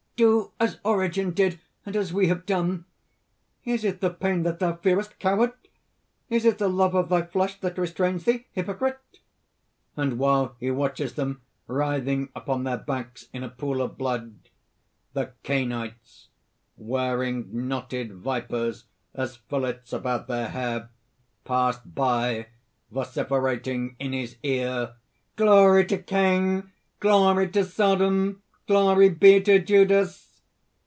_) "Do as Origen did and as we have done! Is it the pain that thou fearest, coward? Is it the love of thy flesh that restrains thee, hypocrite?" (And while he watches them writhing upon their backs, in a pool of blood ) THE CAINITES (wearing knotted vipers as fillets about their hair, pass by, vociferating in his ear): "Glory to Cain! Glory to Sodom! Glory be to Judas!